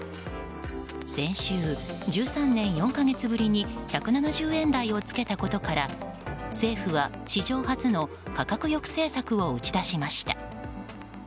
先週、１３年４か月ぶりに１７０円台をつけたことから政府は史上初の価格抑制策を打ち出しました。